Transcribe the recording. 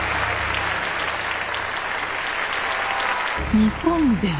日本では。